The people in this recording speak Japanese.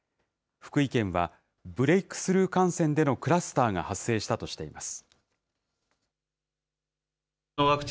福井県はブレイクスルー感染でのクラスターが発生したとしています。